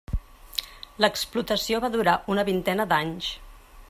L'explotació va durar una vintena d'anys.